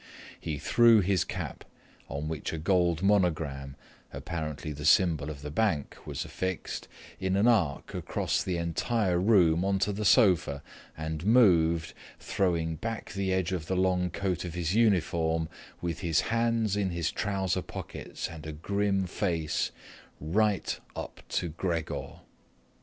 He threw his cap, on which a gold monogram, apparently the symbol of the bank, was affixed, in an arc across the entire room onto the sofa and moved, throwing back the edge of the long coat of his uniform, with his hands in his trouser pockets and a grim face, right up to Gregor.